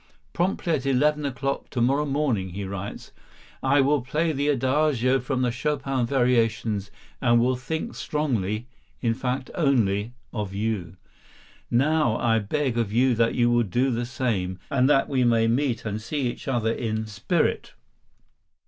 "Promptly at eleven o'clock to morrow morning," he writes, "I will play the Adagio from the Chopin variations and will think strongly—in fact only—of you. Now I beg of you that you will do the same, so that we may meet and see each other in spirit.